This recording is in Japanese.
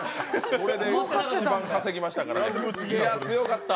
それで一番稼ぎましたからね。